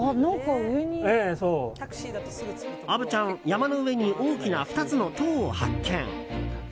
虻ちゃん、山の上に大きな２つの塔を発見。